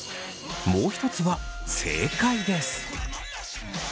もう一つは正解です。